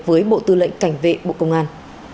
với bộ tư lệnh cảnh vệ bộ công an